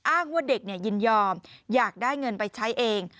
อ้างว่าเด็กยินยอมอยากได้เงินไปใช้เอง